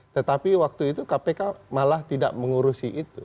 tetapi waktu itu kpk malah tidak mengurusi itu